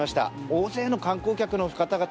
大勢の観光客の方々